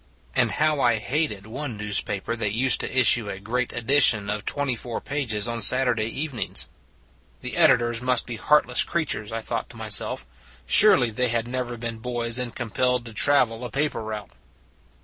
And how I hated one newspaper that used to issue a great edi 215 216 It s a Good Old World tion of twenty four pages on Saturday eve nings. The editors must be heartless crea tures, I thought to myself; surely they had never been boys and compelled to travel a paper route.